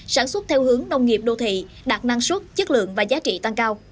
sản xuất theo hướng nông nghiệp đô thị đạt năng suất chất lượng và giá trị tăng cao